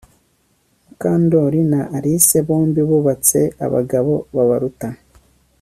Mukandoli na Alice bombi bubatse abagabo babaruta